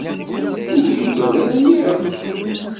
Ur yugad ara yakk.